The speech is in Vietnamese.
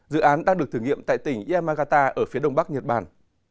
dự án đang được thử nghiệm tại tỉnh yamagata ở phía đông bắc nhật bản